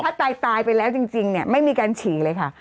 ถ้าตายตายไปแล้วจริงเนี่ยไม่มีการฉี่เลยค่ะ